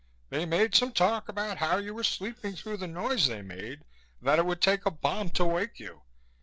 They made some talk about how you were sleeping through the noise they made, that it would take a bomb to wake you.